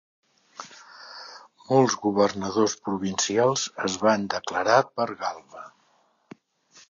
Molts governadors provincials es van declarar per Galba.